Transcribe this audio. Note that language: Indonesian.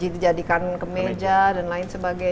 dijadikan kemeja dan lain sebagainya